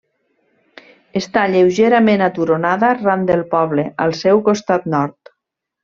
Està lleugerament aturonada ran del poble, al seu costat nord.